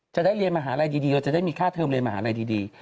จะได้เรียนมหาลัยดีเราจะได้มีค่าเทิมเรียนมหาลัยดี